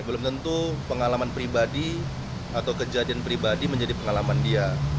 belum tentu pengalaman pribadi atau kejadian pribadi menjadi pengalaman dia